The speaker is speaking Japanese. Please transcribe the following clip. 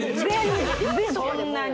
そんなに？